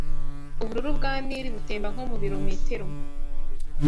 Ubururu bwa Nili butemba nko mu birometero